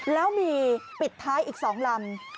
แล้วมีปิดท้ายอีก๒ลำ